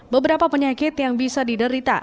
beberapa penyakit yang bisa diderita